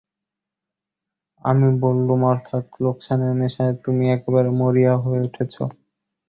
আমি বললুম, অর্থাৎ লোকসানের নেশায় তুমি একেবারে মরিয়া হয়ে উঠেছ।